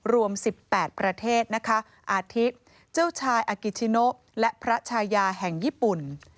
รวม๑๘ประเทศอาทิตย์เจ้าชายอากิชชิโนและพระชายาของญี่ปุ่น